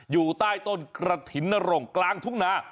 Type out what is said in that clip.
อยู่ใต้ต้นกระถิ่นนรงกลางทุ่งนา